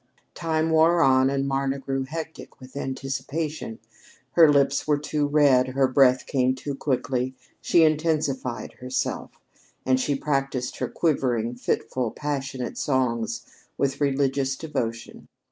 Time wore on, and Marna grew hectic with anticipation. Her lips were too red, her breath came too quickly; she intensified herself; and she practiced her quivering, fitful, passionate songs with religious devotion.